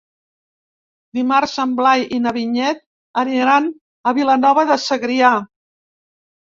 Dimarts en Blai i na Vinyet aniran a Vilanova de Segrià.